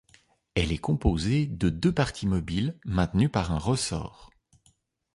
Elle est composée de deux parties mobiles maintenues par un ressort.